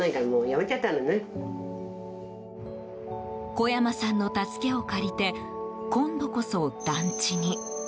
小山さんの助けを借りて今度こそ団地に。